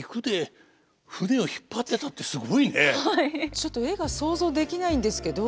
ちょっと絵が想像できないんですけど。